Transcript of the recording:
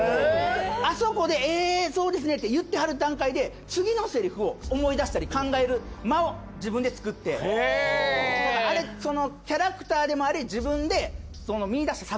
あそこでえそうですねって言ってはる段階で次のセリフを思い出したり考える間を自分で作ってあれそのキャラクターでもあり自分で見い出した策